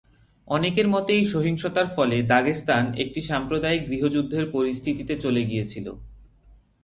অনেকের মতে এই সহিংসতার ফলে দাগেস্তান একটি সাম্প্রদায়িক গৃহযুদ্ধের পরিস্থিতিতে চলে গিয়েছিল।